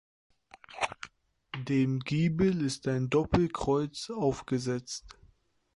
Dem Giebel ist ein Doppelkreuz aufgesetzt.